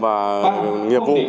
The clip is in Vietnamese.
và nghiệp vụ